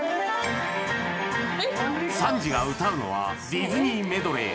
サンジが歌うのはディズニーメドレー